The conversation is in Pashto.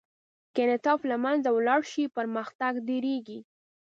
که انعطاف له منځه ولاړ شي، پرمختګ درېږي.